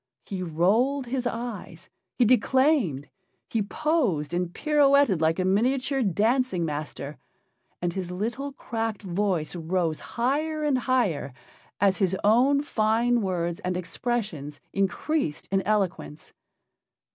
He rolled his eyes, he declaimed, he posed and pirouetted like a miniature dancing master, and his little cracked voice rose higher and higher as his own fine words and expressions increased in eloquence.